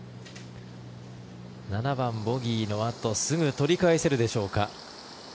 ７番ボギーのあとすぐ取り返せるでしょうか。